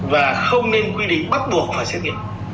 và không nên quy định bắt buộc phải xét nghiệm